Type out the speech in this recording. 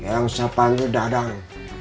yang siapa ini dadang